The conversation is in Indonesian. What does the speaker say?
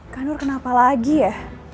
kanur kenapa lagi ya